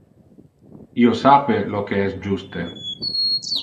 Io sape lo que es juste.